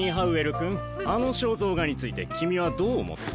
君あの肖像画について君はどう思った？